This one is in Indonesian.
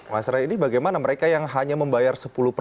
mas ray ini bagaimana mereka yang hanya membayar